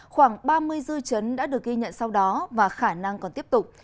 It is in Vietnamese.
khoảng ba mươi dư chấn đã được ghi nhận sau đó và khả năng còn tiếp tục